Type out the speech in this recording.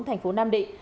thành phố nam định